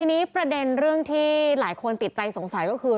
ทีนี้ประเด็นเรื่องที่หลายคนติดใจสงสัยก็คือ